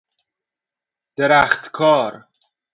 درختکار